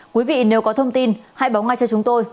quý vị nếu có thông tin hãy báo ngay cho chúng tôi